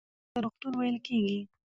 دا چې ولې روغتون ته روغتون ویل کېږي